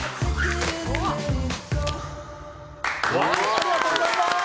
ありがとうございます！